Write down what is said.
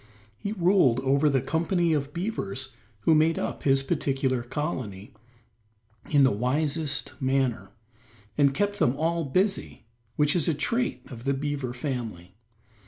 He ruled over the company of beavers who made up his particular colony in the wisest manner, and kept them all busy, which is a trait of the beaver family.